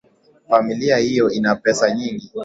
Familia hiyo ina pesa nyingi